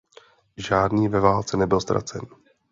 Žádný ve válce nebyl ztracen.